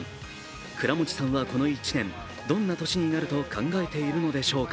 倉持さんはこの１年、どんな年になると考えているのでしょうか。